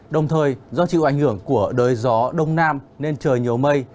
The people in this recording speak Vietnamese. đồng thời do chịu ảnh hưởng của đới gió đông nam nên trời nhiều mây